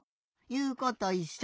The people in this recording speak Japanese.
いうこといっしょ！